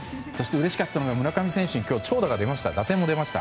うれしかったのは村上選手に長打、打点出ました。